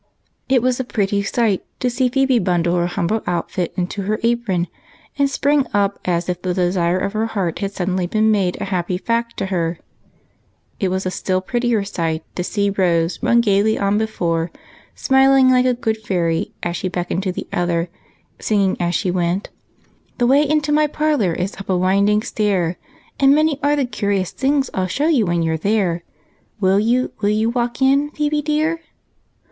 It was a pretty sight to see Phebe bundle her humble outfit into her apron, and spring up as if the desire of her heart had suddenly been made a happy fact to her; it was a still prettier sight to see Rose run gayly on before, smiling like a good fairy as she beckoned to the other, singing as she went, —" The way into my parlor is up a winding stair, And many are the curious things I '11 show you when you 're there. Will you, will you walk in, Phebe dear